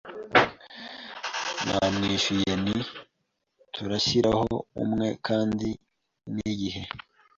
Namwishuye nti Turashyiraho umwe kandi nigihe